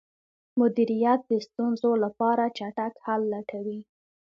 مدیریت د ستونزو لپاره چټک حل لټوي.